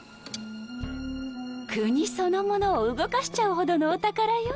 国そのものを動かしちゃうほどのお宝よ。